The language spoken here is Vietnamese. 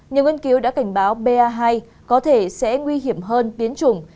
nhiều nghiên cứu đã cảnh báo ba hai có thể sẽ nguy hiểm hơn biến trùng